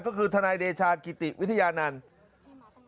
ก็คือทนายเดชากิติวิทยานันต์